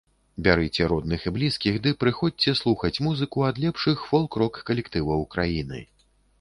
Бярыце родных і блізкіх ды прыходзьце слухаць музыку ад лепшых фолк-рок калектываў краіны.